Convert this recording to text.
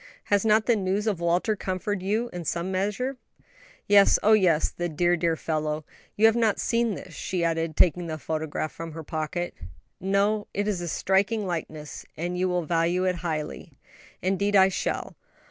Has not the news of Walter comforted you in some measure?" "Yes, oh yes; the dear, dear fellow! You have not seen this," she added, taking the photograph from her pocket. "No; it is a striking likeness, and you will value it highly." "Indeed I shall.